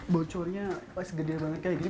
bocornya segede banget kayak gini